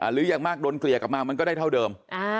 หรืออย่างมากโดนเกลี่ยกลับมามันก็ได้เท่าเดิม